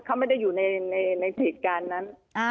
เขาไม่ได้อยู่ในเหตุการณ์นั้น